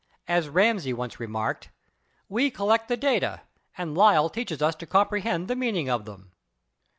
As Ramsay once remarked, "We collect the data and Lyell teaches us to comprehend the meaning of them."